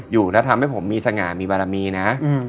อยู่แล้วทำให้ผมมีสง่ามีบารมีนะ